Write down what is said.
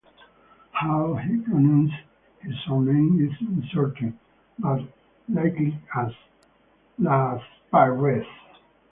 How he pronounced his surname is uncertain, but likely as "Las-pay-ress".